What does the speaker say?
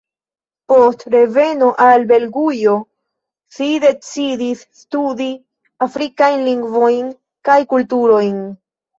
Post reveno al Belgujo si decidis studi afrikajn lingvojn kaj kulturojn.